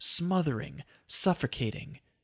smothering, suffocating ...